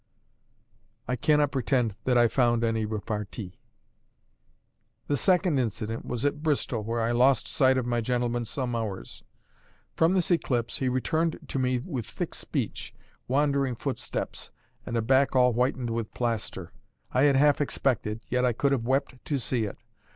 I cannot pretend that I found any repartee. The second incident was at Bristol, where I lost sight of my gentleman some hours. From this eclipse, he returned to me with thick speech, wandering footsteps, and a back all whitened with plaster. I had half expected, yet I could have wept to see it.